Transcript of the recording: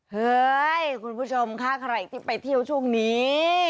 เฮ้ยคุณผู้ชมค่ะใครที่ไปเที่ยวช่วงนี้